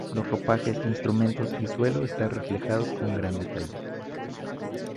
Los ropajes, instrumentos y suelo están reflejados con gran detalle.